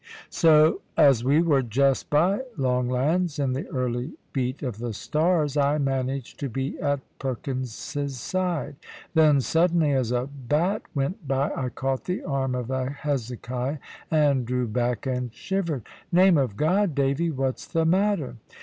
So as we were just by Longlands in the early beat of the stars, I managed to be at Perkins's side. Then suddenly, as a bat went by, I caught the arm of Hezekiah, and drew back, and shivered. "Name of God, Davy! what's the matter?"